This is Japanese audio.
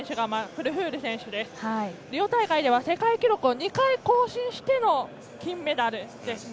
リオ大会では世界記録を２回更新しての金メダルですね。